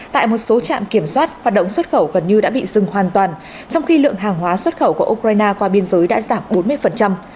tại một số trạm kiểm soát hoạt động xuất khẩu gần như đã bị dừng hoàn toàn trong khi lượng hàng hóa xuất khẩu của ukraine qua biên giới đã giảm bốn mươi